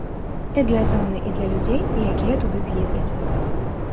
І для зоны, і для людзей, якія туды з'ездзяць.